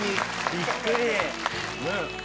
びっくり。